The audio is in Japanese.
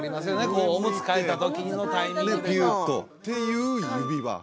こうおむつ替えた時のタイミングでっていう指輪？